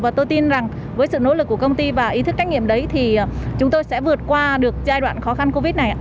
và tôi tin rằng với sự nỗ lực của công ty và ý thức trách nhiệm đấy thì chúng tôi sẽ vượt qua được giai đoạn khó khăn covid này